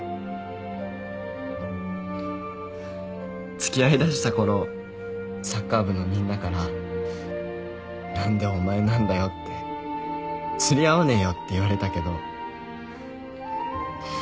付き合いだしたころサッカー部のみんなから何でお前なんだよって釣り合わねえよって言われたけど。